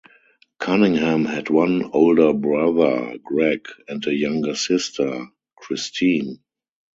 Cunningham had one older brother, Greg, and a younger sister, Christine.